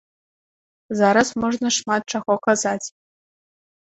Зараз можна шмат чаго казаць.